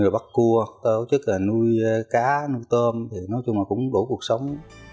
bắt cua tổ chức nuôi cá nuôi tôm nói chung là cũng đủ cuộc sống